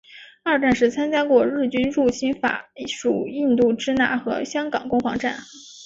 二战时参加过日军入侵法属印度支那和香港攻防战。